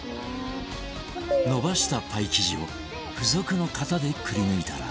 延ばしたパイ生地を付属の型でくりぬいたら